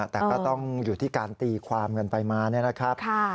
แต่ก็ต้องอยู่ที่การตีความกันไปมาเนี่ยนะครับ